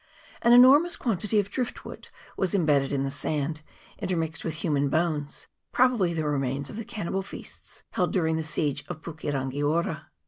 An enormous quantity of drift wood was imbedded in the sand, intermixed with human bones, probably the remains of the cannibal feasts held during the siege of Puke rangi ora.